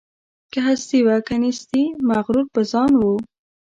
که هستي وه که نیستي مغرور په ځان وو